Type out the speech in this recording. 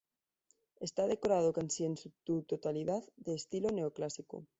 Está decorada casi en su totalidad en estilo neoclásico.